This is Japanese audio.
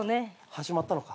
始まったのか？